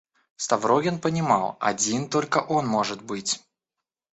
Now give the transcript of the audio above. Ставрогин понимал, один только он, может быть.